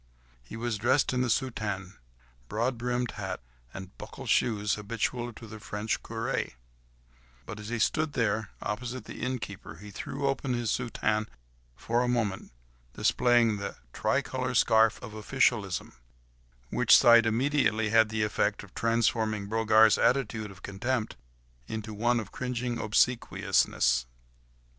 He was dressed in the soutane, broad brimmed hat and buckled shoes habitual to the French curé, but as he stood opposite the innkeeper, he threw open his soutane for a moment, displaying the tricolour scarf of officialism, which sight immediately had the effect of transforming Brogard's attitude of contempt, into one of cringing obsequiousness.